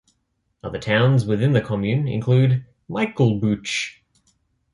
Other towns within the commune include Michelbouch.